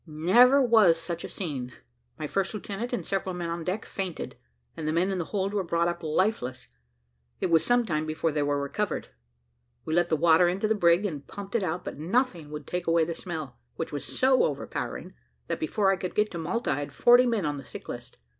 Never was such a scene; my first lieutenant and several men on deck fainted; and the men in the hold were brought up lifeless: it was some time before they were recovered. We let the water into the brig, and pumped it out, but nothing would take away the smell, which was so overpowering, that before I could get to Malta I had forty men on the sick list.